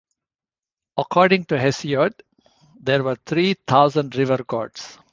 According to Hesiod, there were three thousand river-gods.